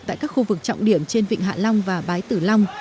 tại các khu vực trọng điểm trên vịnh hạ long và bái tử long